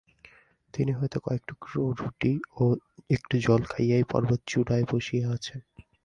তিনি হয়তো কয়েক টুকরা রুটি ও একটু জল খাইয়াই পর্বতচূড়ায় বসিয়া আছেন।